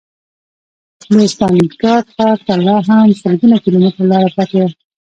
د ستالینګراډ ښار ته لا هم لسګونه کیلومتره لاره پاتې وه